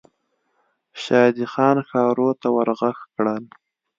شادي خان ښارو ته ور ږغ کړل.